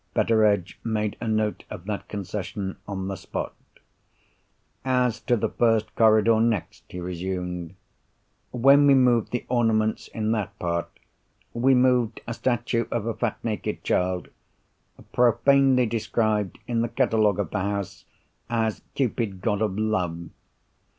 Betteredge made a note of that concession, on the spot. "As to the first corridor next," he resumed. "When we moved the ornaments in that part, we moved a statue of a fat naked child—profanely described in the catalogue of the house as 'Cupid, god of Love.